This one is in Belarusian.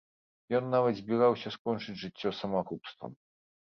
Ён нават збіраўся скончыць жыццё самагубствам.